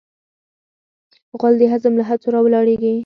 غول د هضم له هڅو راولاړیږي.